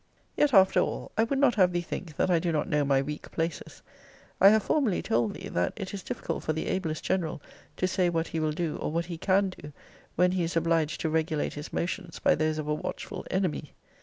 Yet, after all, I would not have thee think that I do not know my weak places. I have formerly told thee, that it is difficult for the ablest general to say what he will do, or what he can do, when he is obliged to regulate his motions by those of a watchful enemy.